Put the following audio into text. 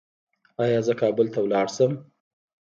ایا زه کابل ته لاړ شم؟